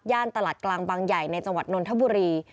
ตลาดกลางบางใหญ่ในจังหวัดนนทบุรี